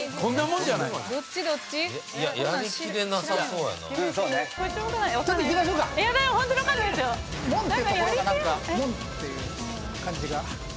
「もん」っていう感じが。